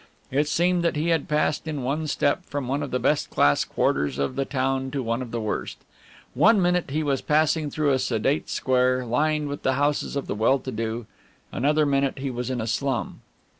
It seemed that he had passed in one step from one of the best class quarters of the town to one of the worst. One minute he was passing through a sedate square, lined with the houses of the well to do, another minute he was in a slum.